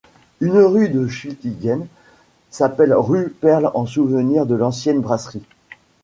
Une rue de Schiltigheim s'appelle rue Perle en souvenir de l'ancienne brasserie.